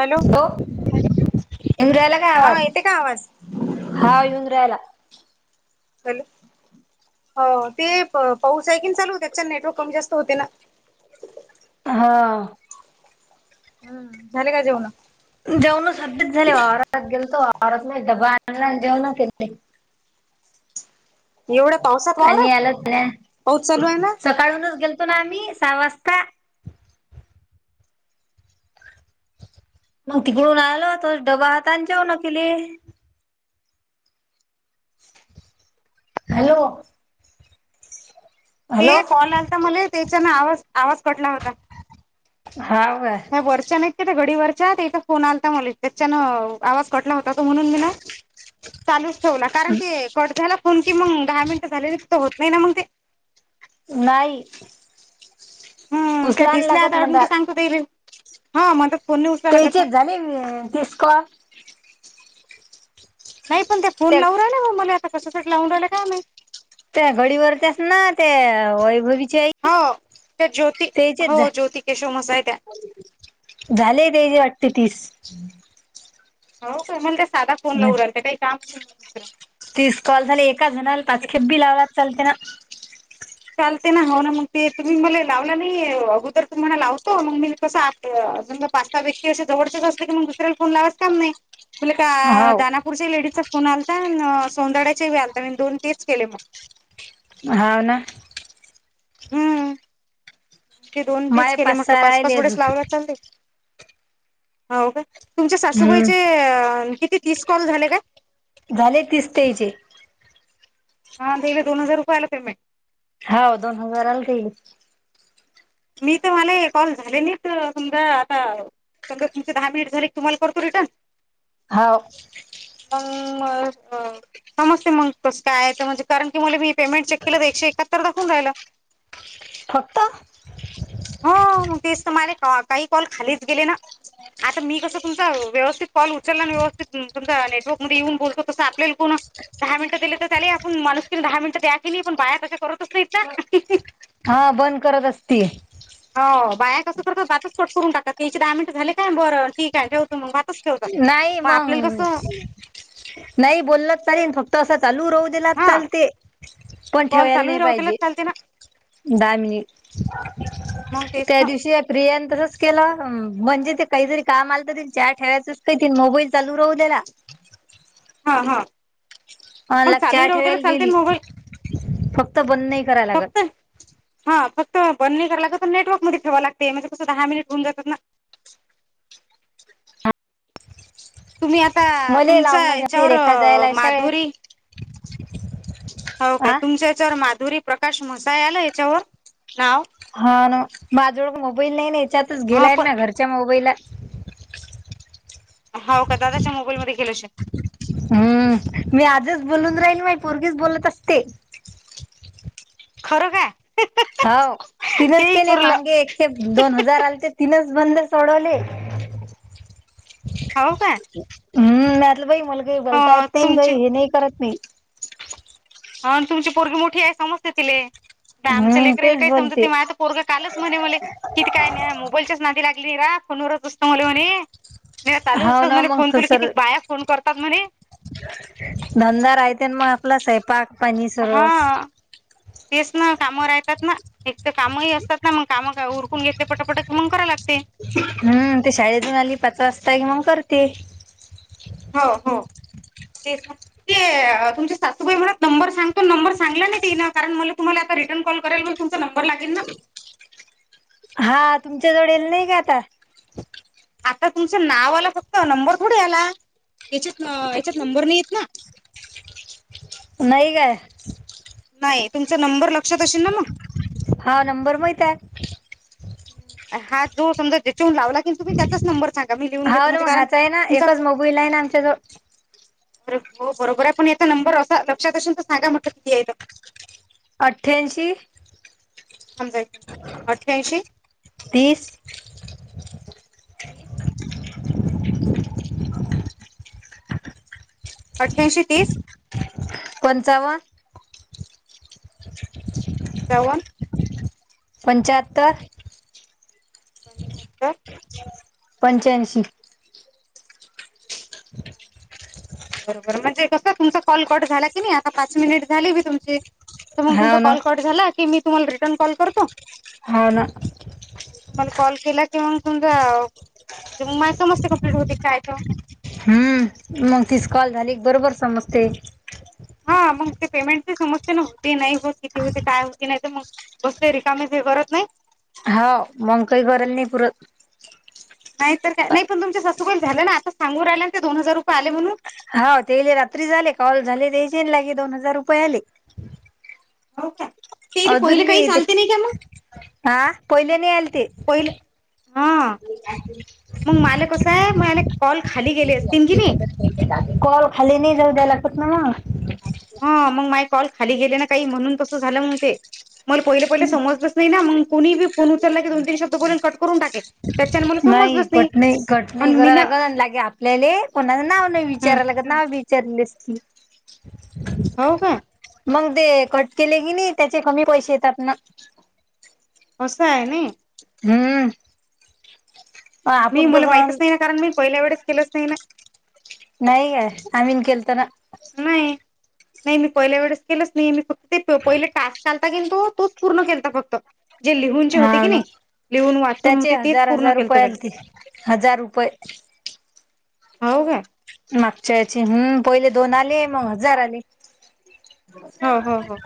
Hello इंद्रला हा येते काय आवाज हा येऊन राहाला ल हो ते पाऊस आहे की चालू त्याच्या नेटवर्क कमी जास्त होते ना हा हम्म झाले काय जाऊ ना जेऊनच सध्याच झाले वारात गेल तो वारात नाही डबा आणला जेऊणच एवढं पावसात वावरवर पाऊस चालू आहे ना काळूनच गेलो ना आम्ही सहा वाजता मग तिकडून आल तो डबा हाता आणि जेव न केले हॅलो ते हॅलो कॉल आलता मला त्याच्यान आवाज आवाज कटला होता हव ह्या वरच्या नाहीत त्या घडी वरच्या एका फोन आलाता मला त्याच्यान आवाज कटला होता म्हणून मी ना चालूच ठेवला कारण ते कट झा कोण क मग दहा मिनटं झाले त तर होत नाही ना मग ते नाही उचला नाही लागत दिसल्याून म्हणतात. सांगतो ह मग तेचे झाले तेसक नाही पण त्या फोन लाव राहि ना मग मला आता कशासाठी लावून राहिलं का नाही त्या घडीवरर त्यास ना ते वैभवी हो त्या ज्योती झा हो ज्योत केेशवमसाय त्या झालेय तेचीे वाटते तीस हो का मण त्या स साधा फोन लावू राहत काही काम तीस कॉल झाले एका जणाला पाच खेपबी लावला चालते ना. चालते ना हो ना मग ते तुम्ही मला लावला नाही अगोदर तुम्हाला लावतो मग मी कसं अजून पाच स व्यक्ती अे जवळचेच असत की मग दुसऱ्याला फोन लावाच काम नाही. मुले हाव काना नागपूरच्या लेडीज चा फोन आलता, आन सोनाड्याचे आलता मी दोन तेच केले मग‌. हा ना. हम्म ते दोन तीस माय केले म्हटलं सहा पाच राहिले पाच वेळेस अजून लावला चालते. हाव काय तुमच्या सासूबाईचे हम्म किती तीस कॉल झाले का. झाले तीस त्यांचे. हा दिले दो हजार रुपया पेमेंट. होव दोन हजार आल ते. मी तर मला कॉल झाले नाहीच समजा आता समा तुम दहा मिनट झाले तुम्हाला करतो रिटन. हाव मग समजते म तस काय म्हणज कारणी मी पेमेट चेक केलं तर एकशे एकाहतर दाखवून राहिलं. फक्त. हो तेच तर माला काही कॉल खालीच गेले ना. आता मी कसं तुमचा व्यवस्थित कॉल उचलला आणि व्यवस्थित तुम नेटवर्क मध्ये येऊन बोलतो. तसं आपल्याला कोण दहा मिनिटं दिले तर ले आपण माणुसकन दहा मिनिटं द्या की नाही पण बाया तशा करतच नाहीत ना. हा बंद करत असती. हो बाया कसं करतात भातच कट करून टकतात. तीने दहा मिनट झाले काय बरं ठीक आहे ठेवतो मग भातच ठेवतात नाही मग आपल्याला मंग कसं नाही बोल चालेल फक्त असं चालू राहू हा चालते पण कॉल ठेवायला नाही चालूही राहू त्यालाच पाहिजे. चालते ना दहा मिनिट मग तेच त्या ना दिवशी प्रियान तसंच केलं म्हणजे ते काहीतरी काम आलं तर च ठेवायचंच काही मोबाईल चालू राहू द्याला. हा हा अ पण लाग चालू चहा राहते ठेवायला गेली चालते मोबाईल. फक्त बंद नाही करायला लागत. फक्त हा फक्त बंद नाही करा लागत तर नेटवर् मध्ये ठेवा लागते म्हणज कस दहा मिनिट होऊ जात ना. तुम्ही आता मले तुमचा लावणं जमत नाही याच्यावर रेखा जायला शाळेत. माधुरी हो काय आ तुमच्या याच्यावर माधुरी प्रकाश म्हसाय आला याच्यावर. नाव हा ना माझजवळ मोबाईल नाही ना याच्यातच हा गेलाय पण ना घरच्या मोबाईलला. हो का दादाच्या मोबाईलमध्येध्येेल शकता. हम्म मी आजच बोलून राहील मा पोर्गीच बोलत असते. खरं काय. हो तिनच तेही केले पुरलं मांगे एकखे दोन हजार आले ते तिनच बंद सोडवले. हो का. हम्म नाहीतलं बाई मलग बोलता अ येत नाही तुमची भाई हे नाही करत नाही‌. ह तुमची पोरगी तुमची पोरगी मोठी आहे समजते तिले. आ आमच हम्म लेकराला तेच काय समजत ते बोलते. आता पोरग कालच म्हणे म्ह मले किती काय नाही, मोबाईलच्याच नादी लाग फोनचत म्हणे म चालू हाव ना फोन मग तु किती सर बा फोन कर तात म्हणे. धंदा राहते मग आपला स्वैपाक. हा तेच ना कामा राहतात ना. एक तर कामही असतात ना मग काम उरकून घेतले पटकपटक कि मग कराव लागते. हम्म ते शाळेतून आली पाच वाजता क मग करते. हो हो ते. तुम सासूबाई म्हला नंबर सांगतो, नंबर सांग ना तिनंण मला तुम्हाला आता रिटर्न कॉ करायला तुमंच नंबर लागेल ना. हा तुमच्या जवळ येल नाही का आता. आता तुमचं नाव आला फक्त नंबर थोडे आला याच्यात याच्यात नंबर नाहीेत ना. नाही ग नाही तुमचा नंबर लक्षात असशेल ना मग हा नंबर माहित आहे. हा जो समजा ज्याच्याून लावला की तु्ी त्याचाच नंबर. सांगा मी लिहून हा घेतो ना म्हणजे मग कारण हाचा आहे ना तुमचा एकच मोबाईल आहे ना आमच्या जवळ. अर हो बरोबर आहे पण याचा नंबर असा लक्षात असूनल तर सांगा म्हटलं किती आहे. अठ्ठ्याऐंशी, समजा एक म्हणट अठ्ठ्याऐंशी. तीस. तेस. अठ्ठ्याऐंशी तीस. पंचवन. सेवन. पंच्याहत्तर, पंच्याहत्तर पंच्याऐंशी. बरोबर म्हणजे कसं तुमचा कॉल कट झाला की नाही आता पाच मिनिट झाली मी तुमची. तर मग तुमचा हाव ना कॉल कट झाला की मी तुम्हाला रिटर्न कॉल करतो. ह ना. तुम्हाला कॉल केला कि मग समजा म्हणजे मग माझ समस्त कमप्लीट होते कायच. हम्म मग तिस कॉल झाली की बरोबर समजते. हा मग ते पेमेंटचे समजते न नाही होत किती होते काय होती नाही तर मग, बसते रिकामे ते करत नाही. हा मग काही कल नाही पुर नाही तर नाही पण तुमच्या ससुगल झालं ना आ सांग राहिलं ना ते दोन हजार रुपय आले म्हणून. हा ते रात्री झाले कॉल झाले ते लागे दोन हजार रुपये आले. हो का. तेले अजून पहिले मी काही ते चालते नाही का मग हा पहिले नाही आल ते. पहिले हा [unintelligible] मग माला कसं आहे मगने कॉल खाली गेले असतील की नाही. कॉल खाली नाही जाऊ द्याय लागत ना मग. हा मग माय कॉल खाली गेले ना काही म्हणून तसं झालं मग ते. मला पहिले पहिले समजतच नाही ना मग कुणीहीी फो उचलला की दोन तीन शब् बोलल कट करून टाके. त्याच्याने मला नाही समजलंच कट नाही कट नाही आणि मी करायला ना लागल आणि लागे आपल्याला कोणा नाव नाही विचारायलागत. नाव विचारलेस की. हो का. मग ते कट केले की नाही त्याचे कमी पैसे येतात ना. होसं आहे ना हम्म मी आपण मला कसं माहितच नाही ना कारण मी पहिल्या वेळेस केलंच नाही ना नाही का आमहीन केतना नाही नाही मी पहिल्या वेळेस केलंच नाही मी फक्त ते पहिले टास्क चालता कि तो तोच पूर्ण केलता फक्त जे लिहूनचे होते हा की ना नाही लिहून वाचून त्याचे होते तेच हजार पूर्ण हजार केलंत रुपये मी आलते हजार रुपये हो का मागच्या याचे हम्म पहिले दोन आले मग हजार आले हो हो हो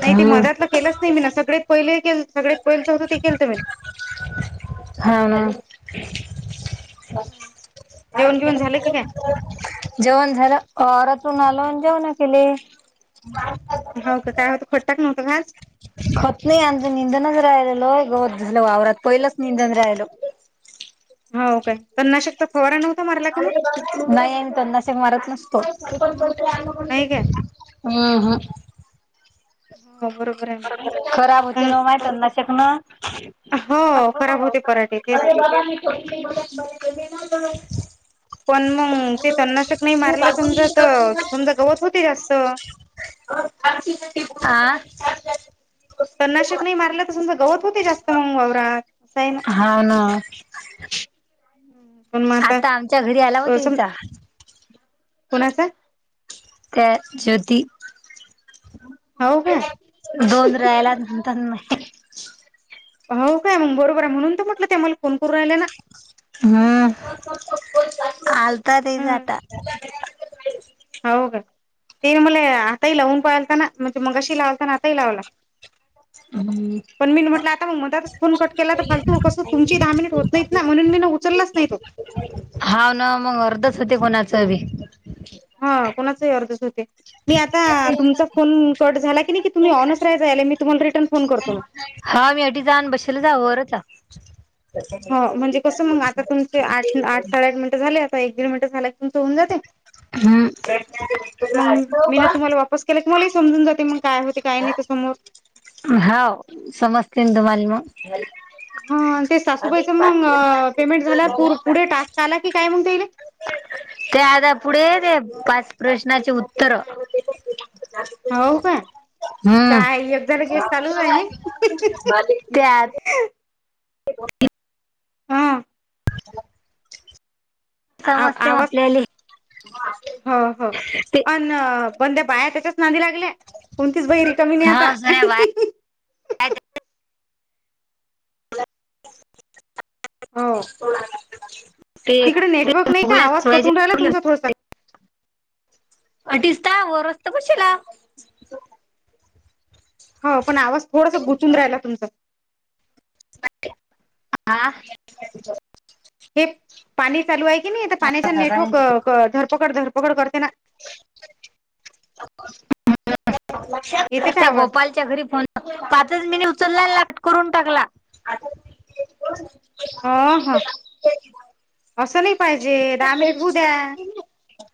नाही ते हम्म मधातलं केलंच मी ना सगळेत पहिले के सगळत पहिलेचं होत ते केलत मी हा हा जेवण घेऊन झालं की काय जेवण झालं औरातून आलो आणि जेवण केली हो काय होतं? [unintelligible] [unintelligible] हो. तन नाशकचा फवारा नव्हता मारला का मग? नाही. अमी तन नाशक मारत नसतो. नाही काय हम् हम्. हो, बरोबर आहे. खराब होते मग ना तण नाशक न हो खराब होते पराठे तेच होे बघत [unintelligible] पण मग ते तन नाशक नाही मारलं समजा तर, समजा गवत होती जास्त. [unintelligible] आ [unintelligible] तन नाशक नाही मारल तर समजं गवत होते जास्त मग वावरात. असं आहे ना हा ना. पण मग आता आमच्या घरी आला होता हिचा. कोणाच? ते ज्योती. हो का दोन राहील तर. हो काय मग बरोबर आहे. म्हणून तर म्हटलं ते मला फोन करून राहिला ना. हम्म, आलता तिचा हम्म आता. हो का, ते मला आताही लावून पाहालता ना म्हणजे मंगाशी लावलताना आताही लावला. हम्. पण मी म्हटलं, आता मग मधतच फोन कट केला तर फालतू कसं तुमची दहा मिनिट होत ना म्हणून मी ना उचललाच नाही. हाव ना, मग अर्धच होते कोणाच बी. हा, कोणाचाही अर्धच होते. मी आता तुमच फोन कट झाला की नी की तुम्ही ऑनच राहायचा. मी तुम्हाला रिटर्न फोन करतो. हा, मी आधी [unintelligible] हो, म्हणजे कसं मग आता तुमचे आठ आठ साडेआठ मिनिटं झाले, आता एक दीड मिनटं झाल की, तुमचं होऊन जाते. हम्म, मग मी ना [unintelligible] तुम्हाला वापस केला तु मलाही समजून जाते, मग काय होते काय नाही तर समोर हाव, समजते ना तुमाले मग. हम्म, ते सासूबाईच मग पेमेंट झाल्या पुढे टास्क आला की काय म्हणते? ते आता पुढेेत पाच प्रश्नाचे उत्तर. हो का हम्म, काय एक झालं की एक चालूच आहे ना. त्या [unintelligible] हा [unintelligible] समजते आपल्याले. ह [unintelligible] हा हा. अनं पण त्या बाया त्याच्याच नादी लागल्या, कोणतीच बाई रिकामी नाही हा आता. सर बाय [inaudible] ते हो तिकडे [unintelligible] नेटवर्क नाही का आवाज कटून राहिला तुमचा थोडासा अडीच त व रस्ता कशीला हो पण आवाज थोडां गुंतून राहिला तुमचं हा हे पाणी चालू आहे की नाही पाण्याच्या नेटवर्क धरपकड धरपकड करते ना येते का आवाज गोपाल घरी फोन पाच मी उचलला करून टाकला. ह ह असं नाही पाहिजे दहा मिनिट होऊ द्या.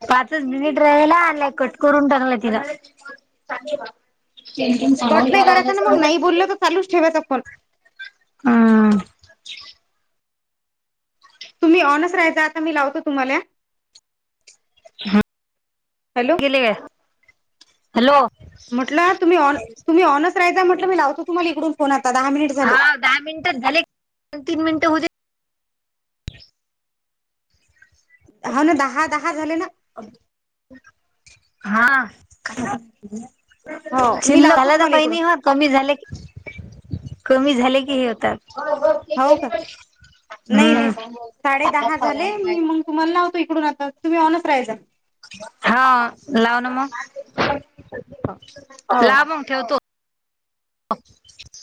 पाचच मिनिट राहाला आणि कट करून टाकलं तिला [inaudible] कट नाही करायचां ना मग नाही बोललं तर चालच ठेवायचं पण हम तुम्ही ऑनसहाय आता मी लावतो तुम्हाला. ह हॅलो केेले का हॅलो! य म्हट मी लावतो तु्हाला इकडूनोन आता दहा मिनिट झाले. हा दहा मिनिटात झाले दन तीन मिनिट हो. हा ना दहा दहा झाले ना. हो मी लावतो हाल्लला तर तुम्हाला काही इकडून नाही होत. कमी झाले कमी झाले की हे होतात. हो का नाही हम्म. नाही साडे दहा झाले मी मंग तुम्हालावत इकून आता तुम् ऑनस राहि जाल. हा लाव ना मग हो हो लाव मग ठेवतो.